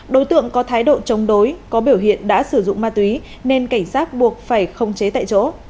đối tượng có thái độ chống đối có biểu hiện đã sử dụng ma túy nên cảnh sát buộc phải không chế tại chỗ